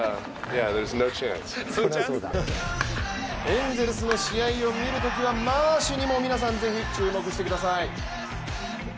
エンゼルスの試合を見るときはマーシュにも皆さんぜひ注目してください。